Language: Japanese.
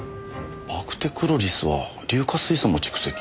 バクテクロリスは硫化水素も蓄積。